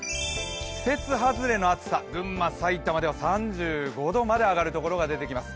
季節外れの暑さ、群馬・埼玉では３５度まで上がるところが出てきます。